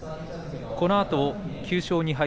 このあと９勝２敗